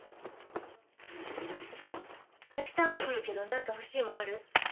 明日も来るけど何か欲しいもんある？